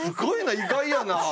意外やな。